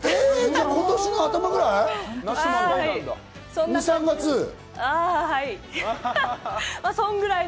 今年の頭くらい？